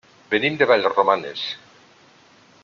Venim de Vallromanes.